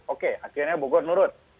oke akhirnya bogor menurut